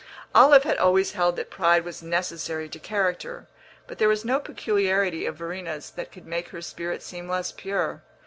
Olive had always held that pride was necessary to character, but there was no peculiarity of Verena's that could make her spirit seem less pure.